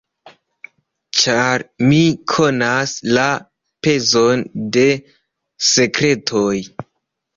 Ĉar mi konas la pezon de sekretoj.